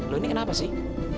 loh ini kenapa sih